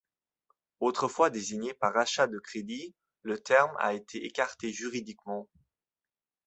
Autrefois désigné par rachat de crédit, le terme a été écarté juridiquement.